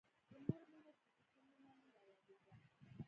د مور مينه د نيکه مينه مې رايادېده.